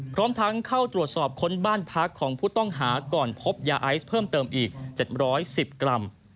พร้อมทั้งเข้าตรวจสอบค้นบ้านพักของผู้ต้องหาก่อนพบยาไอซ์เพิ่มเติมอีก๗๑๐กรัม